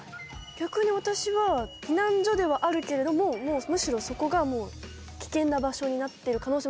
逆に私は避難所ではあるけれどもむしろそこが危険な場所になってる可能性もあるじゃないですか。